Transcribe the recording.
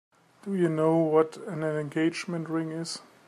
Do you know what an engagement ring is?